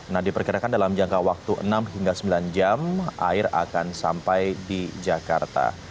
nah diperkirakan dalam jangka waktu enam hingga sembilan jam air akan sampai di jakarta